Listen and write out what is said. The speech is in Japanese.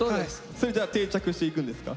それじゃあ定着していくんですか？